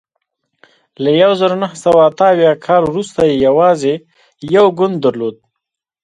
له یوه زرو نهه سوه اته اویا کال وروسته یې یوازې یو ګوند درلود.